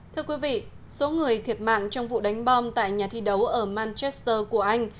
thưa quý vị số người thiệt mạng trong vụ đánh bom tại nhà thi đấu ở manchester của anh